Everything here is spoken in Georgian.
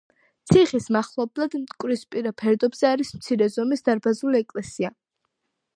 ციხის მახლობლად, მტკვრისპირა ფერდობზე, არის მცირე ზომის დარბაზული ეკლესია.